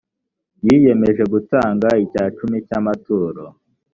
yiyemeje gutanga icyacumi cy’amaturo